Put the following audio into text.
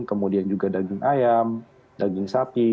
kemudian juga daging ayam daging sapi